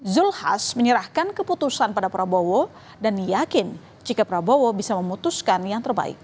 zulkifli hasan menyerahkan keputusan pada prabowo dan yakin jika prabowo bisa memutuskan yang terbaik